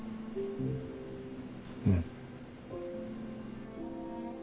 うん。